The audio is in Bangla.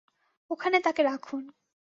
ওখানে তাকে রাখুন।